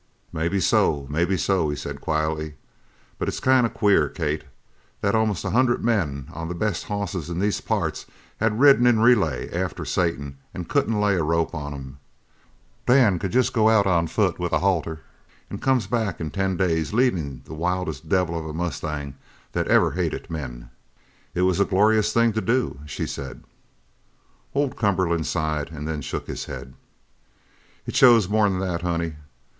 "Maybe so, maybe so," he said quietly, "but it's kind of queer, Kate, that after most a hundred men on the best hosses in these parts had ridden in relays after Satan an' couldn't lay a rope on him, Dan could jest go out on foot with a halter an' come back in ten days leadin' the wildest devil of a mustang that ever hated men." "It was a glorious thing to do!" she said. Old Cumberland sighed and then shook his head. "It shows more'n that, honey.